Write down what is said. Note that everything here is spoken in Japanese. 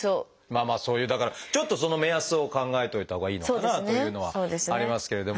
そういうだからちょっとその目安を考えといたほうがいいのかなというのはありますけれども。